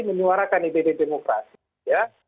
menyuarakan ide ide demokrasi ya